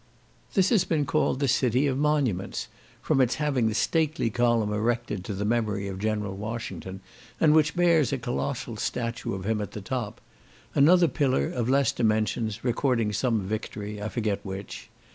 This has been called the city of monuments, from its having the stately column erected to the memory of General Washington, and which bears a colossal statue of him at the top; and another pillar of less dimensions, recording some victory; I forget which.